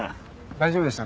大丈夫でした？